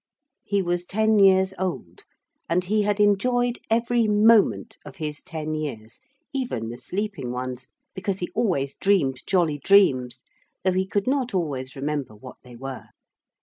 He was ten years old and he had enjoyed every moment of his ten years, even the sleeping ones, because he always dreamed jolly dreams, though he could not always remember what they were.